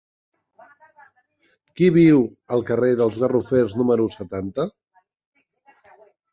Qui viu al carrer dels Garrofers número setanta?